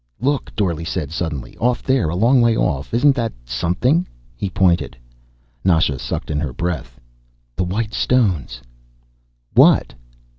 "Look," Dorle said suddenly. "Off there, a long way off. Isn't that something?" He pointed. Nasha sucked in her breath. "The white stones." "What?"